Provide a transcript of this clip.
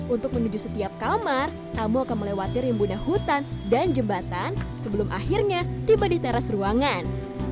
untuk menuju setiap kamar tamu akan melewati rimbuna hutan dan jembatan sebelum akhirnya tiba di teras ruangan